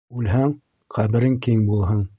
Үлһәң, ҡәберең киң булһын.